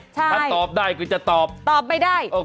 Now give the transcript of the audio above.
ถ้าตอบได้ก็จะตอบตอบไม่ได้